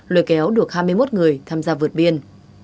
lôi kéo được hai mươi một người tham gia vượt biên